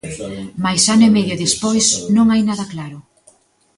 Mais ano e medio despois non hai nada claro.